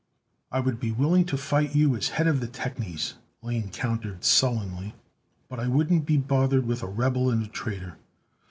"I would be willing to fight you, as head of the technies," Lane countered sullenly, "but I wouldn't be bothered with a rebel and a traitor.